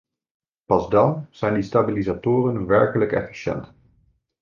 Pas dan zijn die stabilisatoren werkelijk efficiënt.